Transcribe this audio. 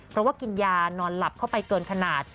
เพราะว่ากินยานอนหลับเข้าไปเกินขนาด